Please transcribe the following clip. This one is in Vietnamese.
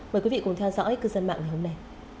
mời quý vị cùng theo dõi cư dân mạng ngày hôm nay